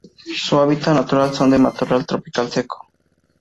Su hábitat natural son de matorral tropical seco.